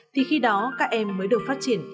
thì khi đó các em mới được phát triển